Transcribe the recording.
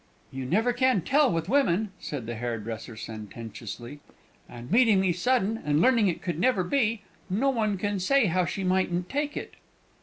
"You never can tell with women," said the hairdresser, sententiously; "and meeting me sudden, and learning it could never be no one can say how she mightn't take it!"